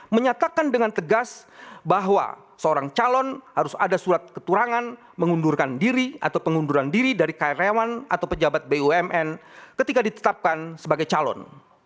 menyatakan dengan tegas bahwa seorang calon harus ada surat keturangan mengundurkan diri atau pengunduran diri dari karyawan atau pejabat bumn ketika ditetapkan sebagai calon